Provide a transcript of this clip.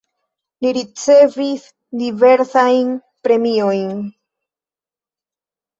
Li ricevis diversajn premiojn.